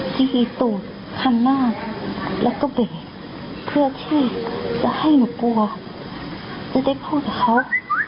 ทีวีตูดคันหน้าแล้วก็เบรกเพื่อที่จะให้หนูกลัวจะได้พูดกับเขา